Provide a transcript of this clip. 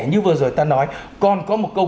như vừa rồi ta nói còn có một câu